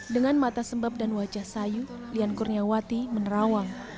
dengan mata sembab dan wajah sayu lian kurniawati menerawang